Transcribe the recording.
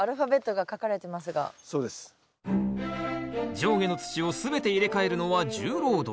上下の土を全て入れ替えるのは重労働。